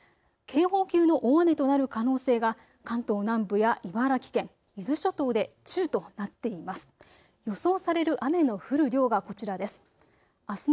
警報級の大雨となる可能性が関東南部や茨城県、伊豆諸島で中となっています。